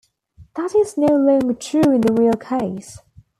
That is no longer true in the real case.